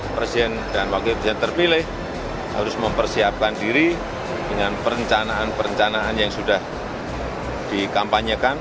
presiden dan wakil presiden terpilih harus mempersiapkan diri dengan perencanaan perencanaan yang sudah dikampanyekan